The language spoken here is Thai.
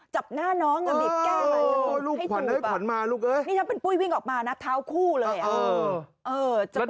จับหน้าน้องอะเด็กแก้มาให้จูบ